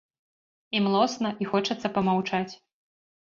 І млосна, і хочацца памаўчаць.